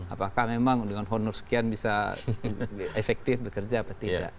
apakah memang dengan honor sekian bisa efektif bekerja atau tidak